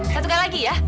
satu kali lagi ya